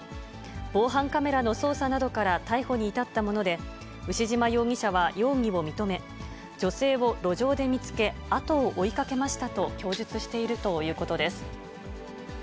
防犯カメラの捜査などから逮捕に至ったもので、牛島容疑者は容疑を認め、女性を路上で見つけ、後を追いかけましたと供述しているということです。